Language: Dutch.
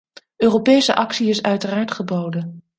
Europese actie is uiteraard geboden.